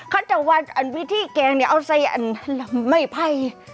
ก็จะว่าริเมตรวิธีแกงเอาไว้ในอันไม้ไภ